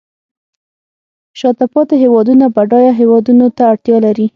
شاته پاتې هیوادونه بډایه هیوادونو ته اړتیا لري